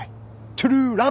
トゥルーラブ。